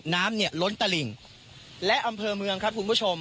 น้ำเนี่ยล้นตลิ่งและอำเภอเมืองครับคุณผู้ชม